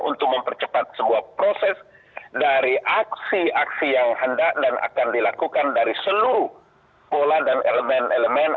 untuk mempercepat sebuah proses dari aksi aksi yang hendak dan akan dilakukan dari seluruh pola dan elemen elemen